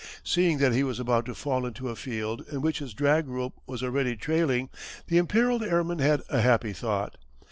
Seeing that he was about to fall into a field in which his drag rope was already trailing the imperilled airman had a happy thought.